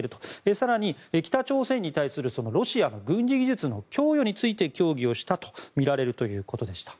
更に、北朝鮮に対するロシアの軍事技術の供与について協議をしたとみられるということでした。